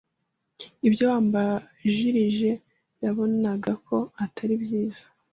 Ibyo uwambanjirije yabonaga ko atari byiza '